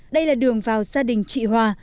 đây là đường vào gia đình chị hòa